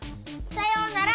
さようなら！